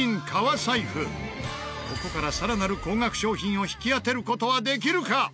ここから更なる高額商品を引き当てる事はできるか？